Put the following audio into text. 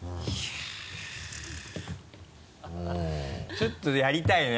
ちょっとやりたいね